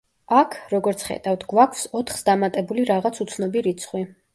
აქ, როგორც ხედავთ, გვაქვს ოთხს დამატებული რაღაც უცნობი რიცხვი.